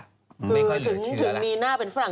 คือถึงมีหน้าเป็นฝรั่ง